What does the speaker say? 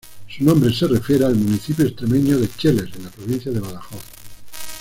Su nombre se refiere al municipio extremeño de Cheles en la provincia de Badajoz.